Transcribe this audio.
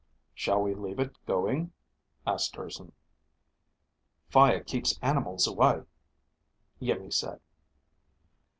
"Shall we leave it going?" asked Urson. "Fire keeps animals away," Iimmi said.